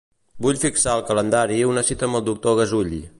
Vull fixar al calendari una cita amb el doctor Gasull.